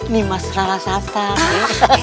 nima serah rara santang